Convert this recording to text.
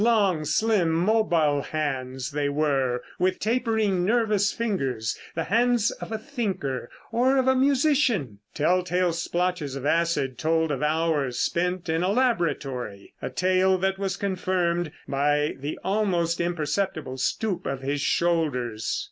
Long, slim, mobile hands they were, with tapering nervous fingers the hands of a thinker or of a musician. Telltale splotches of acid told of hours spent in a laboratory, a tale that was confirmed by the almost imperceptible stoop of his shoulders.